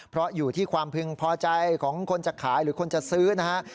เพราะอยู่ที่ความพึงพอใจของคนจะขายหรือคนจะซื้อนะฮะ